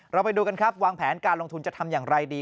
ไปดูกันครับวางแผนการลงทุนจะทำอย่างไรดี